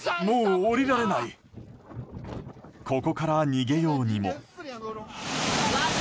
ここから逃げようにも。